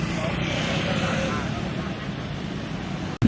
สวัสดีทุกคน